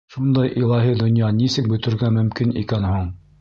Шундай илаһи донъя нисек бөтөргә мөмкин икән һуң?